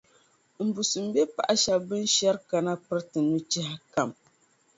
Mbusim be paɣ’ shɛb’ bɛn shɛri kana piriti nuchɛhi kam.